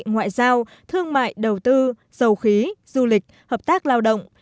ngoại giao thương mại đầu tư dầu khí du lịch hợp tác lao động